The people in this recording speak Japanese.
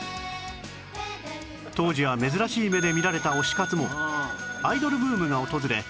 当時は珍しい目で見られた推し活もアイドルブームが訪れ